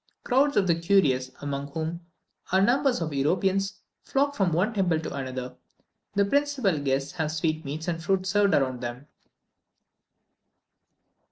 Crowds of the curious, among whom are numbers of Europeans, flock from one temple to another; the principal guests have sweetmeats and fruit served round to them.